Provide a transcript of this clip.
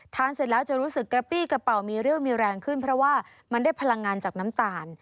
เสร็จแล้วจะรู้สึกกระปี้กระเป๋ามีเรี่ยวมีแรงขึ้นเพราะว่ามันได้พลังงานจากน้ำตาล